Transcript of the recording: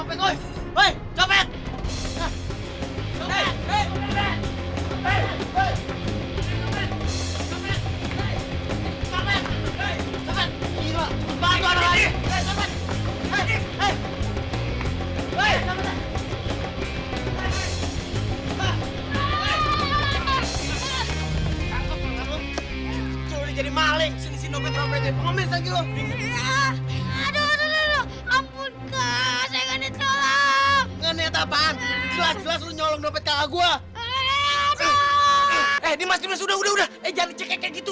eh dimas dimas udah udah eh jangan dicek kayak gitu